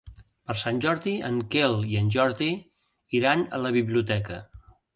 Per Sant Jordi en Quel i en Jordi iran a la biblioteca.